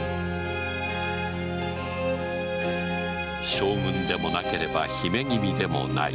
将軍でもなければ姫君でもない